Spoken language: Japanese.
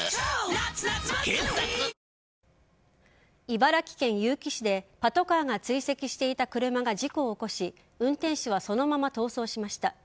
茨城県結城市でパトカーが追跡していた車が事故を起こし運転手はそのまま逃走しました。